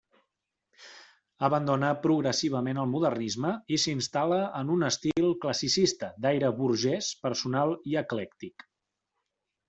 Abandona progressivament el modernisme i s'instal·la en un estil classicista d'aire burgès, personal i eclèctic.